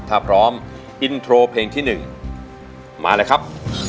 ถ้าพร้อมอินโทรเพลงที่๑มาเลยครับ